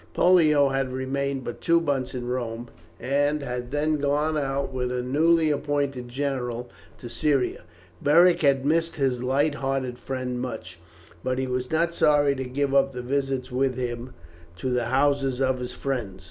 Pollio had remained but two months in Rome, and had then gone out with a newly appointed general to Syria. Beric had missed his light hearted friend much, but he was not sorry to give up the visits with him to the houses of his friends.